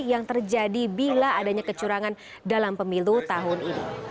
yang terjadi bila adanya kecurangan dalam pemilu tahun ini